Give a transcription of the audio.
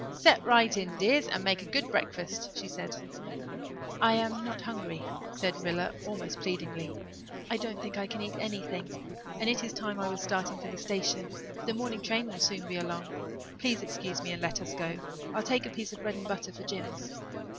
"Set right in, dears, and make a good breakfast," she said. "I am not hungry," said Rilla almost pleadingly. "I don't think I can eat anything. And it is time I was starting for the station. The morning train will soon be along. Please excuse me and let us go I'll take a piece of bread and butter for Jims."